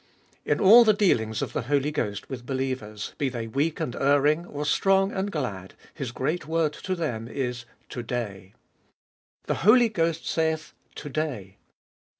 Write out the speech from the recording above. In all the dealings of the Holy Ghost with believers, be they weak and erring, or strong and glad, His great word to them is, To day. The Holy Ghost saith, To day.